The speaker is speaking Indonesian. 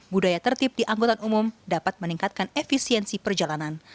budaya tertib di anggota umum dapat meningkatkan efisiensi perjalanan